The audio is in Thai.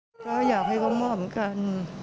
ถ้าเธอรู้อยู่อย่างผมอะไรของแม่